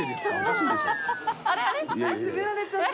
閉められちゃった。